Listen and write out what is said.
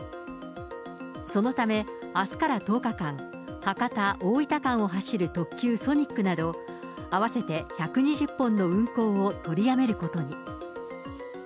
そのため、あすから１０日間、博多・大分間を走る特急ソニックなど、合わせて１２０本の運行を取りやめることに。